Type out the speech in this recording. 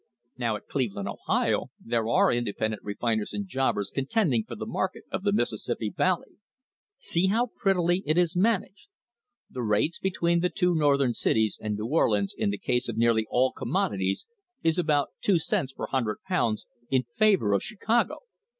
Now at Cleveland, Ohio, there are independent refiners and jobbers contending for the market of the Mis sissippi Valley. See how prettily it is managed. The rates between the two Northern cities and New Orleans in the case of nearly all commodities is about two cents per hun THE HISTORY OF THE STANDARD OIL COMPANY dred pounds in favour of Chicago.